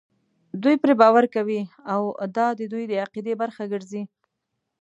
دوی پرې باور کوي او دا د دوی د عقیدې برخه ګرځي.